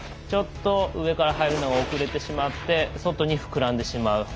ちょっと上から入るのが遅れてしまって外に膨らんでしまう。